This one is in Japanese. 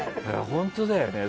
本当だよね。